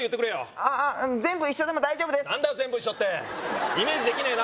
ああ全部一緒でも大丈夫です何だよ全部一緒ってイメージできねえな